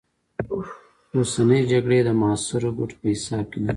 اوسنۍ جګړې د معاصرو ګټو په حساب کې نه دي.